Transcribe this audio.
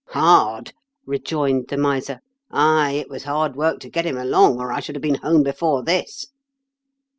*' Hard 1 " rejoined the miser. "Ay, it was hard work to get him along, or I should have been home before this."